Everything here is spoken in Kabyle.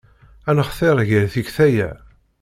Ad nextir gar tikta-ya.